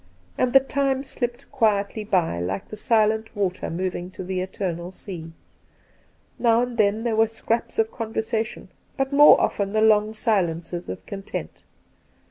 And the time slipped quietly by, like the silent water moving to the eternal sea. Now and then there were scraps of conversation, but more often the long silences of content.